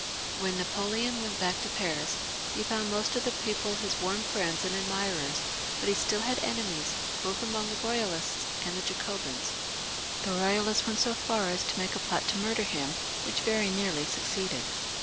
When NaJ)oleon went back to Paris he found most of the people his warm friends and admirers ; but he stiU had enemies, both among the Boyalists and the Jacobins. The Eoyalists went so far as to make a plot to murder him, which very nearly succeeded.